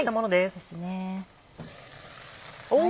そうですね。